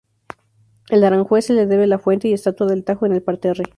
En Aranjuez se le debe la fuente y estatua del Tajo en el parterre.